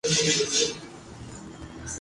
Al-Shabaab luego se atribuyó la responsabilidad.